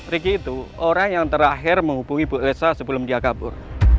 ricky itu orang yang terakhir menghubungi bu elsa sebelum dia kabur